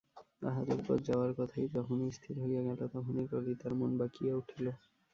আহারের পর যাওয়ার কথাটা যখনই স্থির হইয়া গেল তখনই ললিতার মন বাঁকিয়া উঠিল।